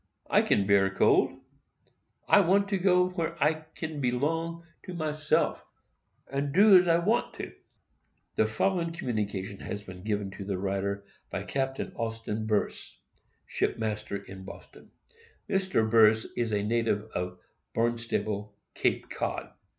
I can bear cold. I want to go where I can belong to myself, and do as I want to." The following communication has been given to the writer by Captain Austin Bearse, ship master in Boston. Mr. Bearse is a native of Barnstable, Cape Cod.